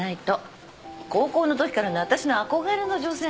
高校のときからの私の憧れの女性なんですから。